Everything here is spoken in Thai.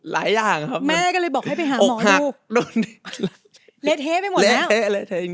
เละเทะเละเทะจริงจริง